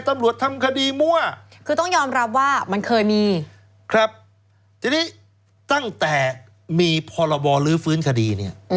ตำรวจทำคดีมั่วคือต้องยอมรับว่ามันเคยมีครับทีนี้ตั้งแต่มีพรบลื้อฟื้นคดีเนี่ย